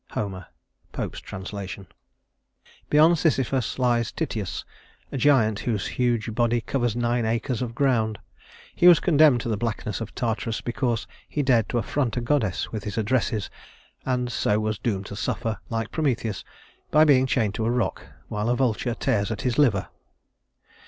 HOMER Pope's translation. Beyond Sisyphus lies Tityus, a giant whose huge body covers nine acres of ground. He was condemned to the blackness of Tartarus because he dared to affront a goddess with his addresses, and so was doomed to suffer, like Prometheus, by being chained to a rock, while a vulture tears at his liver.